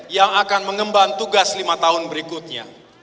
yang akan mengemban tugas lima tahun berikutnya